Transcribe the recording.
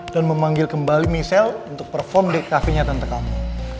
dan memanggil kembali michelle untuk perform di kafenya tante kamu